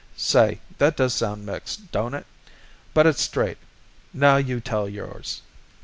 Say, that does sound mixed, don't it? But it's straight. Now you tell yours."